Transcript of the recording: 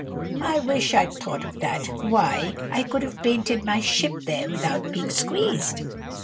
"I wish I'd thought of that! Why, I could have painted my ship there without being squeezed!"